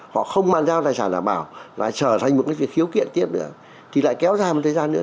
họ không mang ra tài sản đảm bảo lại trở thành một cái khiếu kiện tiếp nữa thì lại kéo ra một thời gian nữa